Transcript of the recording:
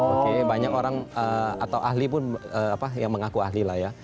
oke banyak orang atau ahli pun yang mengaku ahli lah ya